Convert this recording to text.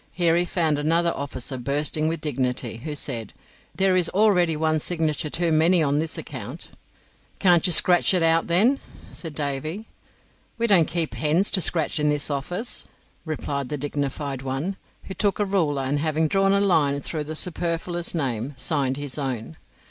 Here he found another officer bursting with dignity, who said: "There is already one signature too many on this account." "Can't you scratch it out, then?" said Davy. "We don't keep hens to scratch in this office," replied the dignified one, who took a ruler, and having drawn a line through the superfluous name, signed his own.